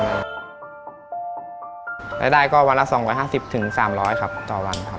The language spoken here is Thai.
รายได้ก็วันละ๒๕๐๓๐๐ครับต่อวันครับ